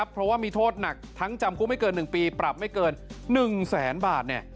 เพราะว่ามีโทษหนักทั้งจำคุกไม่เกิน๑ปีปรับไม่เกิน๑แสนบาท